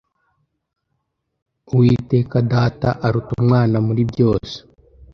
"Uwiteka Data aruta Umwana muri byose